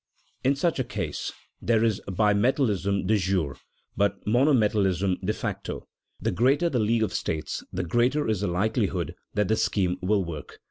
In such a case there is bimetallism de jure, but monometallism de facto. The greater the league of states, the greater is the likelihood that the scheme will work.